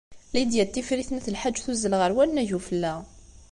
Lidya n Tifrit n At Lḥaǧ tuzzel ɣer wannag n ufella.